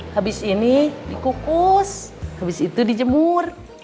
habis ini dikukus habis itu dijemur